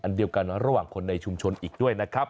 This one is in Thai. เดียวกันระหว่างคนในชุมชนอีกด้วยนะครับ